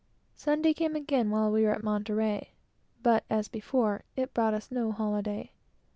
Sunday came again while we were at Monterey, but as before, it brought us no holyday.